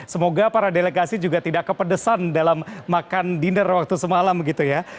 semoga para delegasi juga tidak kepedesan dalam makan dinner waktu semalam begitu ya